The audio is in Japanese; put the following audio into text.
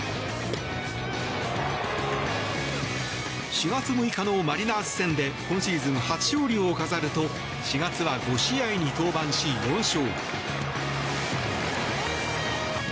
４月６日のマリナーズ戦で今シーズン初勝利を飾ると４月は５試合に登板し４勝。